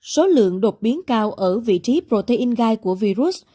số lượng đột biến cao ở vị trí protein gai của virus